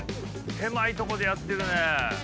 狭いとこでやってるね。